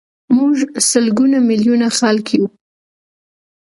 موږ لسګونه میلیونه خلک یو.